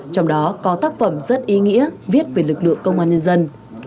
trong đó có tác phẩm rất ý nghĩa viết về lực lượng công an nhân dân